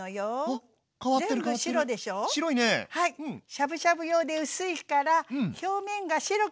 しゃぶしゃぶ用で薄いから表面が白くなったらＯＫね。